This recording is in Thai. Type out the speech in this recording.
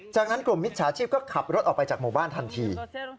จากนั้นกลุ่มมิจฉาชีพก็ขับรถออกไปจากหมู่บ้านทันที